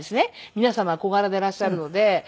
皆様は小柄でいらっしゃるので。